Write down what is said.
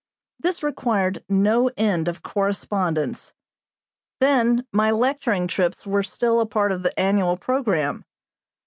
This required no end of correspondence. Then my lecturing trips were still a part of the annual programme.